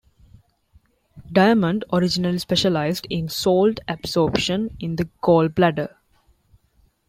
Diamond originally specialized in salt absorption in the gall bladder.